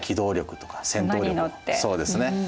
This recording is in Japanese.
そうですね。